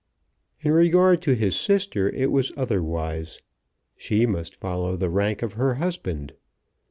In regard to his sister it was otherwise. She must follow the rank of her husband.